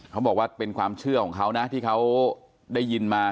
เขาบอกว่าเป็นความเชื่อของเขานะที่เขาได้ยินมา